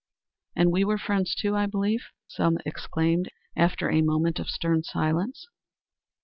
"And we were friends, too, I believe?" Selma exclaimed, after a moment of stern silence.